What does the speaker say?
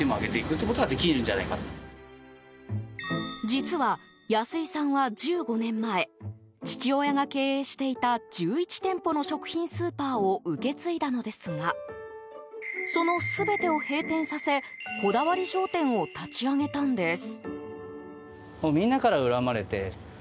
実は、安井さんは１５年前父親が経営していた１１店舗の食品スーパーを受け継いだのですがその全てを閉店させこだわり商店を立ち上げたんです。